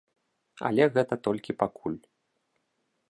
Але гэта толькі пакуль.